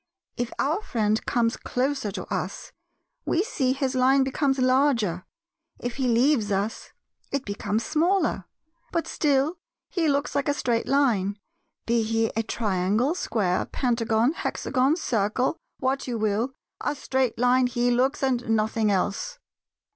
If our friend comes closer to us we see his line becomes larger; if he leaves us it becomes smaller; but still he looks like a straight line; be he a Triangle, Square, Pentagon, Hexagon, Circle, what you will—a straight Line he looks and nothing else.